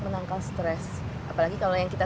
menangkal stres apalagi kalau yang kita